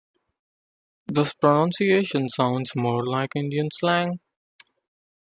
This pronunciation sounds more like Indian slang.